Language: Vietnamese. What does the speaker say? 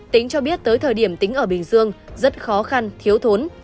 tính cho biết tới thời điểm tính ở bình dương rất khó khăn thiếu thốn